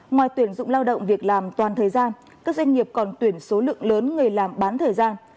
ngoài tuyển dụng lao động việc làm toàn thời gian các doanh nghiệp còn tuyển số lượng lớn người làm bán thời gian